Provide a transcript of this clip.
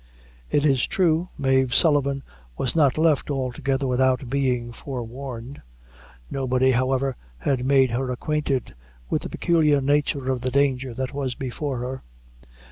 It is true, Mave Sullivan was not left altogether without being forewarned. Nobody, however, had made her acquainted with the peculiar nature of the danger that was before her.